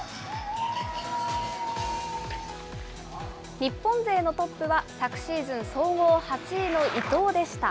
日本勢のトップは昨シーズン、総合８位の伊藤でした。